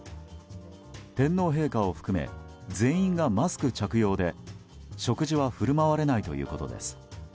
天皇陛下を含め全員がマスク着用で食事は振る舞われないということです。